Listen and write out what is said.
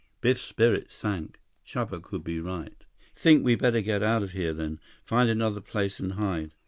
Biff's spirits sank. Chuba could be right. "Think we better get out of here then? Find another place and hide?"